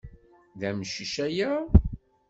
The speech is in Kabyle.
D amcic aya?